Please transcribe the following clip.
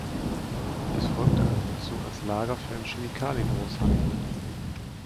Es folgte eine Nutzung als Lager für einen Chemiekaliengroßhandel.